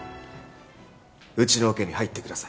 うちのオケに入ってください。